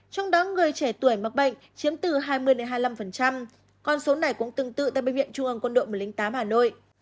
trong đó người trẻ tuổi mắc bệnh chiếm từ hai mươi hai mươi năm con số này cũng tương tự tại bệnh viện trung ương quân đội một trăm linh tám hà nội